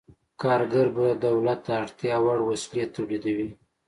کارګر به دولت ته اړتیا وړ وسلې تولیدوي.